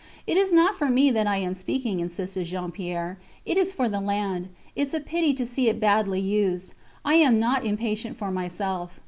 It is not for me that I am speaking, insisted Jean Pierre. It is for the land. Its a pity to see it badly used. I am not impatient for myself.